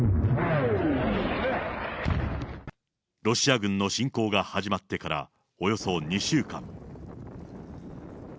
ロシア軍の侵攻が始まってからおよそ２週間。